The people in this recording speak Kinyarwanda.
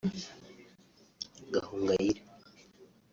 Gahongayire